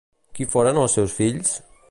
Qui foren els seus fills?